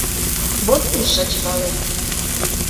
Вот и шыч пале!